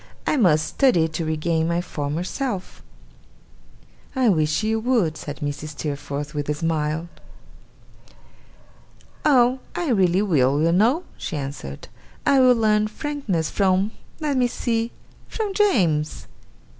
I must study to regain my former self.' 'I wish you would,' said Mrs. Steerforth, with a smile. 'Oh! I really will, you know!' she answered. 'I will learn frankness from let me see from James.